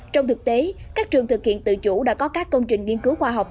trong thực tế các trường thực hiện tự chủ đã có các công trình nghiên cứu khoa học